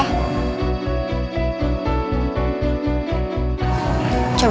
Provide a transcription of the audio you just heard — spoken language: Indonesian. cabut aja yuk